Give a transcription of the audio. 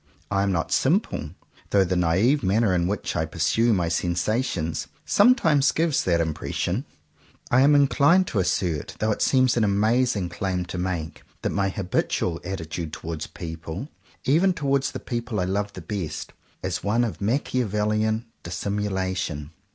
I am not simple; though the naive manner in which I pursue my sensa tions, sometimes gives that impression. I am inclined to assert, though it seems an amazing claim to make, that my habitual attitude towards people, even towards the people I love the best, is one of Machiavel lian dissimulation.